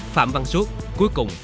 phạm văn xuất cuối cùng